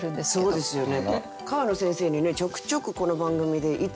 そうですね。